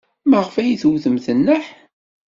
Maɣef ay tewtemt nneḥ?